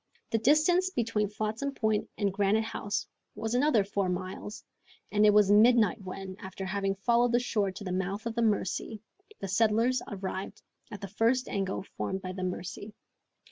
The distance between Flotsam Point and Granite House was another four miles, and it was midnight when, after having followed the shore to the mouth of the Mercy, the settlers arrived at the first angle formed by the Mercy.